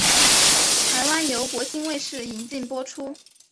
台湾由国兴卫视引进播出。